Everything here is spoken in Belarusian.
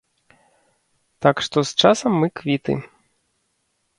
Так што з часам мы квіты.